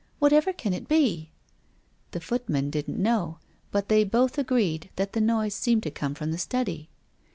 " What ever can it be ?" The footman didn't know, but they both agreed that the noise seemed to come from the study.